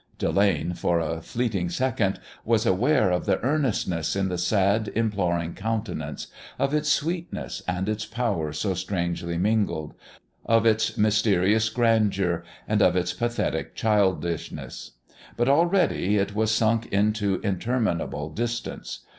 Delane, for a fleeting second, was aware of the earnestness in the sad, imploring countenance; of its sweetness and its power so strangely mingled; of it mysterious grandeur; and of its pathetic childishness. But, already, it was sunk into interminable distance.